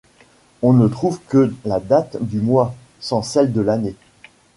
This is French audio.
On ne trouve que la date du mois, sans celle de l'année.